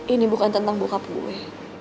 ini bukan tentang bokap gue